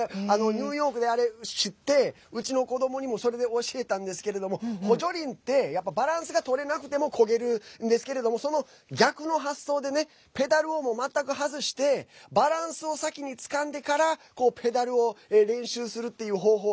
ニューヨークで、あれ知ってうちの子どもにもそれで教えたんですけれども補助輪ってバランスがとれなくてもこげるんですけれどもその逆の発想でねペダルを全く外してバランスを先につかんでからペダルを練習するっていう方法。